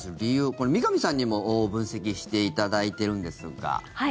これ、三上さんにも分析していただいてるんですが。